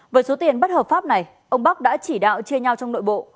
với số tiền bất hợp pháp này ông bắc đã chỉ đạo chia nhau trong nội bộ